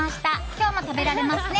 今日も食べられますね。